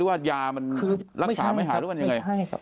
รึว่ายาวลักษะไม่ให้กับคือ